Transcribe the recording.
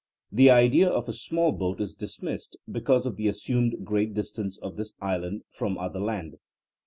The idea of a small boat is dismissed because of the assumed great distance of this island from other land.